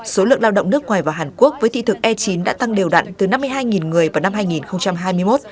số lượng lao động nước ngoài vào hàn quốc với thị thực e chín đã tăng đều đặn từ năm mươi hai người vào năm hai nghìn hai mươi một